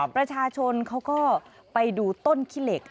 ประชาชนเขาก็ไปดูต้นขี้เหล็ก